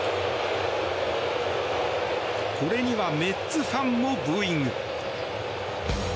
これにはメッツファンもブーイング。